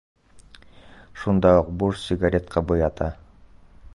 Шунда уҡ буш сигарет ҡабы ята.